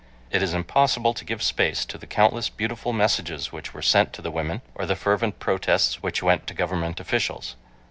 It is impossible to give space to the countless beautiful messages which were sent to the women, or the fervent protests which went to government officials.